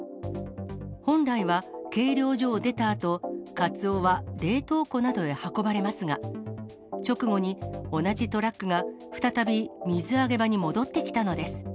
本来は、計量所を出たあと、カツオは冷凍庫などへ運ばれますが、直後に同じトラックが再び水揚げ場に戻ってきたのです。